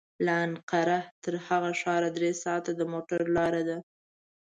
له انقره تر هغه ښاره درې ساعته د موټر لاره ده.